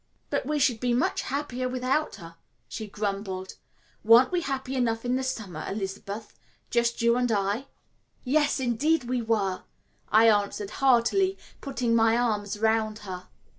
"But we should be much happier without her," she grumbled. "Weren't we happy enough in the summer, Elizabeth just you and I?" "Yes, indeed we were," I answered heartily, putting my arms round her.